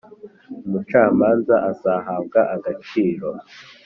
umucamanza azahabwa agaciro